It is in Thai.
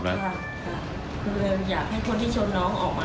สวัสดีครับ